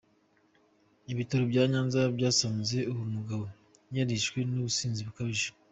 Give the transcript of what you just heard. Ibitaro bya Nyanza byasanze uwo mugabo yarishwe n’ubusinzi bukabije.